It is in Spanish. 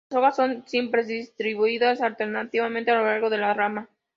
Las hojas son simples, distribuidas alternativamente a lo largo de la rama.